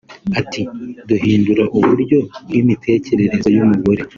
Ati “Duhindura uburyo bw’imitekerereze y’umugore